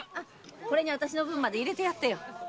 これにあたしの分まで入れてやってよ。